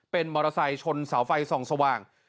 เป็นมอเตอร์ไซค์ชนเสาไฟส่องสว่าง